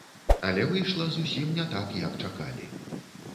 Але выйшла зусім не так, як чакалі.